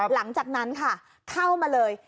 หลังจากนั้นค่ะเข้ามาเลย